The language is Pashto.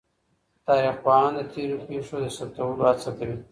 تاريخ پوهان د تېرو پېښو د ثبتولو هڅه کوي.